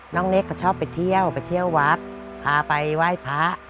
เนคเขาชอบไปเที่ยวไปเที่ยววัดพาไปไหว้พระ